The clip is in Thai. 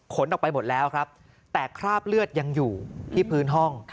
ออกไปหมดแล้วครับแต่คราบเลือดยังอยู่ที่พื้นห้อง